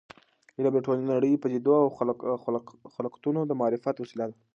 علم د ټولې نړۍ د پدیدو او خلقتونو د معرفت وسیله ده.